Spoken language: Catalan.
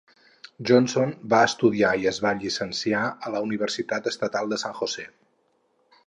Johnson va estudiar i es va llicenciar a la Universitat Estatal de San Jose.